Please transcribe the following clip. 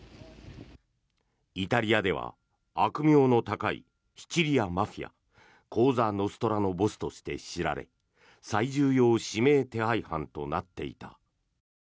イタリアでは悪名の高いシチリアマフィアコーザ・ノストラのボスとして知られ最重要指名手配犯となっていた。